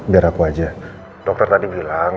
biar aku aja dokter tadi bilang